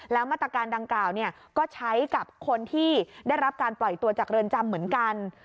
แล้วมาตรการดังกล่าวก็ใช้กับคนที่ได้รับการปล่อยตัวจากเรือนจำเหมือนกัน